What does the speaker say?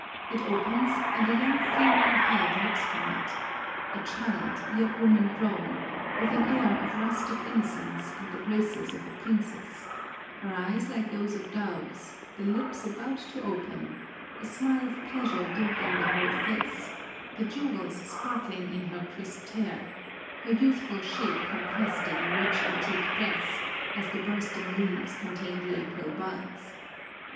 It opens, and a young female head looks from it â€¢ a child, yet woman grown ; with an air of rustic innocence and the graces of a princess, her eyes like those of doves, the lips about to open, a smile of pleasure dimpling the whole face, the jewels sparkling in her crisped hair, her youthful shape compressed in a rich antique dress, as the bursting leaves contain the April buds